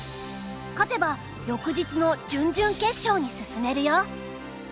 勝てば翌日の準々決勝に進めるよ。